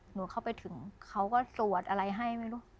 หนูเข้าไปถึงเขาก็สวดอะไรให้ไม่รู้